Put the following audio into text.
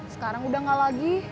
sekarang udah nggak lagi